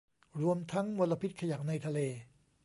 รวมทั้งมลพิษขยะในทะเล